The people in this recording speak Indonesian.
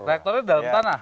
reaktornya di dalam tanah